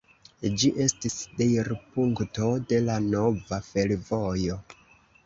Ĝi estis deirpunkto de la nova fervojo.